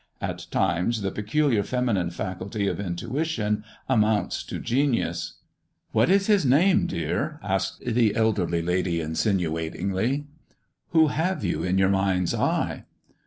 At times the peculiar feminine faculty of intuition amounts to genius. " What is his name, dear 1 " asked the elderly lady, insinuatingly. "Who have you in your mind's eye?"